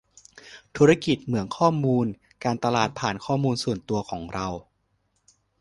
ธุรกิจเหมืองข้อมูล : การตลาดผ่านข้อมูลส่วนตัวของเรา